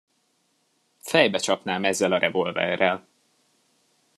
Fejbe csapnám ezzel a revolverrel!